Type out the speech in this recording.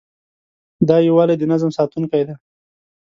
دا یووالی د نظم ساتونکی دی.